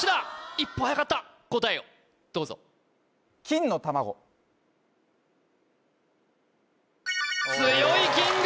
一歩はやかった答えをどうぞ強いキング！